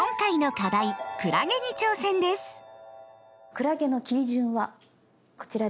「クラゲ」の切り順はこちらです。